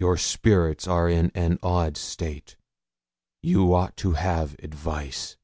Your spirits are in an odd state you ought to have advice.'